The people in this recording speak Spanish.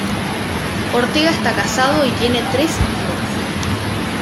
Ortega está casado y tiene tres hijos.